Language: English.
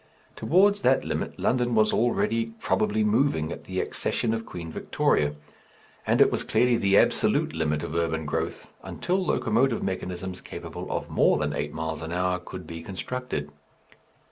Towards that limit London was already probably moving at the accession of Queen Victoria, and it was clearly the absolute limit of urban growth until locomotive mechanisms capable of more than eight miles an hour could be constructed.